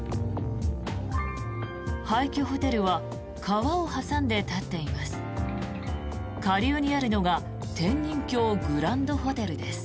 廃虚ホテルは川を挟んで立っています。